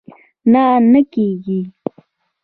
نه، نه کېږي